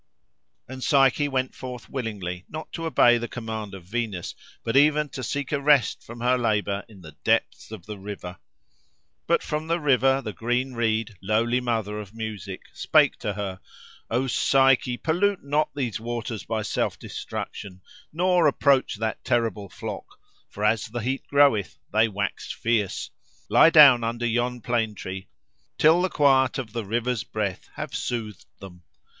And Psyche went forth willingly, not to obey the command of Venus, but even to seek a rest from her labour in the depths of the river. But from the river, the green reed, lowly mother of music, spake to her: "O Psyche! pollute not these waters by self destruction, nor approach that terrible flock; for, as the heat groweth, they wax fierce. Lie down under yon plane tree, till the quiet of the river's breath have soothed them.